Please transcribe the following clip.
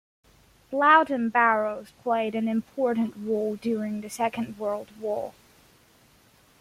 Braunton Burrows played an important role during the Second World War.